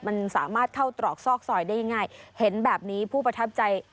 มันสามารถเข้าตรอกซอกซอยได้ง่ายเห็นแบบนี้ผู้ประทับใจ